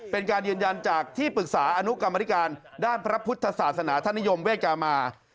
เป็นการยืนยันจากที่ปรึกษาอนุกรรมธิการด้านพระพุทธศาสนาธนิยมเวกามา